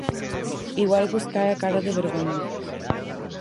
Igual vos cae a cara de vergoña.